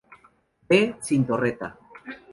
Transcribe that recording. D sin torreta.